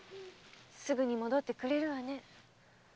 すぐに戻ってくれるわね？